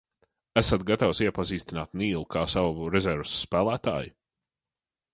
Esat gatavs iepazīstināt Nīlu kā savu rezerves spēlētāju?